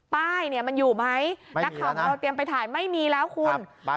ป้ายเนี่ยมันอยู่ไหมนักข่าวของเราเตรียมไปถ่ายไม่มีแล้วคุณ